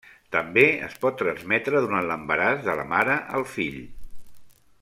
També es pot transmetre durant l'embaràs, de la mare al fill.